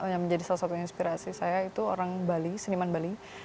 yang menjadi salah satu inspirasi saya itu orang bali seniman bali